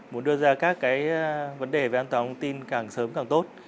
muốn đưa ra các cái vấn đề về an toàn an ninh càng sớm càng tốt